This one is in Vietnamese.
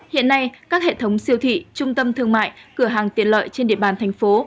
hiện nay các hệ thống siêu thị trung tâm thương mại cửa hàng tiện lợi trên địa bàn thành phố